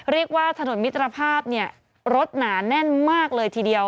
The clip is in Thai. เรียกว่าถนนมิตรภาพเนี่ยรถหนาแน่นมากเลยทีเดียว